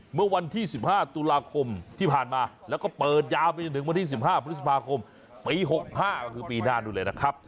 เมื่อวันที่๑๕ตุลาคมที่ผ่านมาแล้วก็เปิดยาวไปจนถึงวันที่๑๕พฤษภาคมปี๖๕ก็คือปีหน้านู้นเลยนะครับ